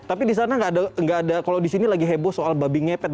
tapi disana nggak ada kalau disini lagi heboh soal babi ngepet